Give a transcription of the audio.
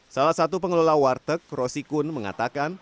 salah satu pengelola warteg rosi kun mengatakan